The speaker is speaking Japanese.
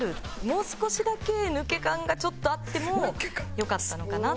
もう少しだけ抜け感がちょっとあってもよかったのかな。